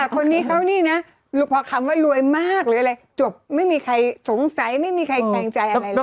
คนนี้เขานี่นะพอคำว่ารวยมากหรืออะไรจบไม่มีใครสงสัยไม่มีใครแขลงใจอะไรเลย